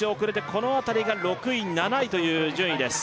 この辺りが６位７位という順位です